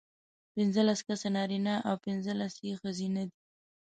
پینځلس کسه نارینه او پینځلس یې ښځینه دي.